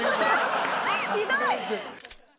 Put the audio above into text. ひどい！